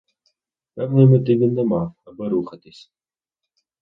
Певної мети він не мав, аби рухатись.